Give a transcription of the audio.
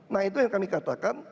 nah itu yang kami katakan